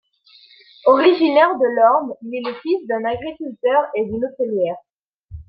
Originaire de l'Orne, il est le fils d'un agriculteur et d'une hôtelière.